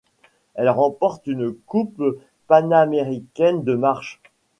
Elle remporte une Coupe panaméricaine de marche.